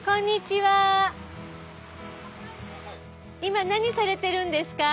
・はい・今何されてるんですか？